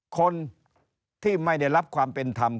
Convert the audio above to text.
คนที่ไม่ได้รับความเป็นธรรม